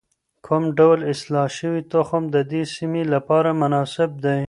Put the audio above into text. کوم ډول اصلاح شوی تخم د دې سیمې لپاره مناسب دی؟